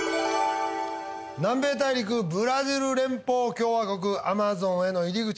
南米大陸ブラジル連邦共和国アマゾンへの入り口